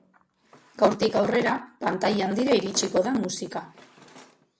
Gaurtik aurrera pantaila handira iritsiko da musika.